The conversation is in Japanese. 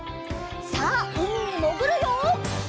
さあうみにもぐるよ！